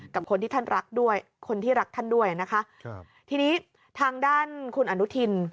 กับคนที่ท่านรักด้วยคนที่รักท่านด้วยนะคะครับทีนี้ทางด้านคุณอนุทิน